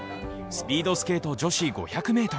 スピードスケート女子５００ｍ。